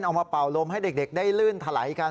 เอามาเป่าลมให้เด็กได้ลื่นถลายกัน